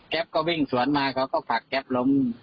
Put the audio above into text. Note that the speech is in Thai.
ก็วิ่งสวนมาเขาก็ผลักแก๊ปล้ม